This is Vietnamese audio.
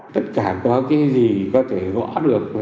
tất cả có cái gì có thể gõ được